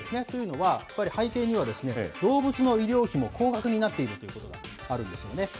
というのは、やはり背景には、動物の医療費も高額になっているということがあるんですよね。